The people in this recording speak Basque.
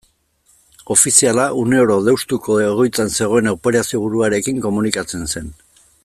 Ofiziala une oro Deustuko egoitzan zegoen operazioburuarekin komunikatzen zen.